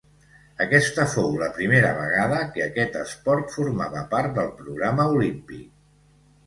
Aquesta fou la primera vegada que aquest esport formava part del programa olímpic.